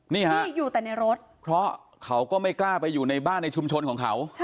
นี่ฮะที่อยู่แต่ในรถเพราะเขาก็ไม่กล้าไปอยู่ในบ้านในชุมชนของเขา